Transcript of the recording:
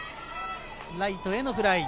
ライトへのフライ。